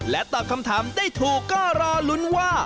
ตอบคำถามได้ถูกก็รอลุ้นว่า